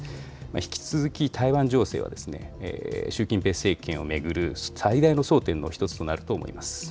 引き続き台湾情勢は、習近平政権を巡る最大の争点の一つとなると思います。